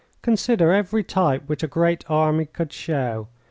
Consider every type which a great army could show.